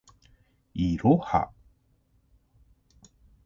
いろは